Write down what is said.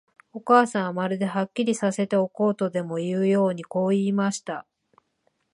お母さんは、まるで、はっきりさせておこうとでもいうように、こう言いました。